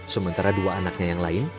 sementara dua anaknya yang lain